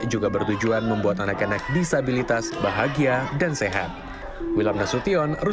juga bertujuan membuat anak anak disabilitas bahagia dan sehat